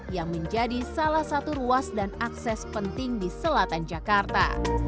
yang menjadi salah satu ruas dan akses penting di selatan jakarta